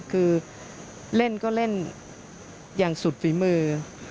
คือเล่นก็เล่นอย่างสุดฝีมือ